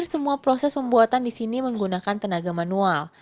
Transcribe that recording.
semua proses pembuatan disini menggunakan tenaga manual